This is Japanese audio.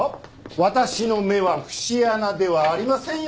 私の目は節穴ではありませんよ。